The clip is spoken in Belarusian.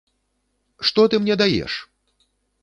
Што ты мне даеш?!